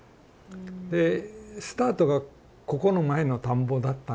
でスタートがここの前の田んぼだったんですよ。